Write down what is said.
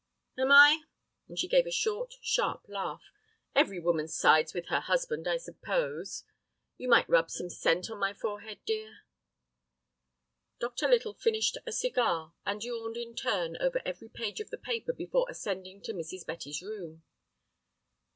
"Am I?" and she gave a short, sharp laugh; "every woman sides with her husband—I suppose. You might rub some scent on my forehead, dear." Dr. Little finished a cigar, and yawned in turn over every page of the paper before ascending to Mrs. Betty's room.